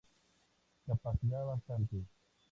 Capacidad bastante.